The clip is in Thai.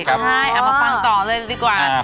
ใช่เอามาฟังต่อเลยดีกว่า